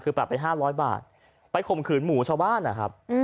คือปรับไป๕๐๐บาทไปข่มขืนหมูชาวบ้านนะครับ